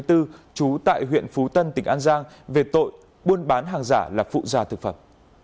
trú tại huyện phú tân tỉnh an giang về tội buôn bán hàng giả là phụ gia thực phẩm